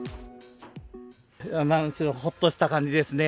何しろほっとした感じですね。